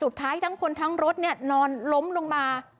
สุดท้ายทั้งคนทั้งรถนี่นอนล้มลงมา